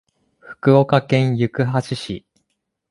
福岡県行橋市